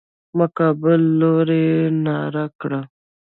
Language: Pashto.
مقابل لوري ناره کړه.